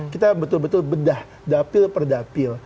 kita betul betul bedah dapil per dapil